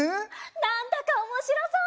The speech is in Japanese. なんだかおもしろそう！